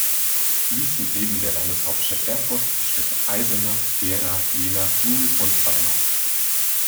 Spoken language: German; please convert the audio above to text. Dies sind neben der Landeshauptstadt Erfurt die Städte Eisenach, Gera, Jena, Suhl und Weimar.